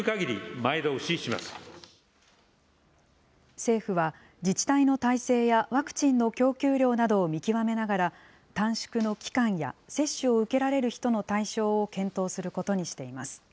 政府は、自治体の体制やワクチンの供給量などを見極めながら、短縮の期間や接種を受けられる人の対象を検討することにしています。